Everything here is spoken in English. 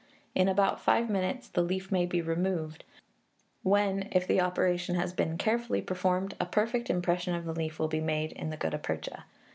In about five minutes the leaf may be removed, when, if the operation has been carefully performed, a perfect impression of the leaf will be made in the gutta percha.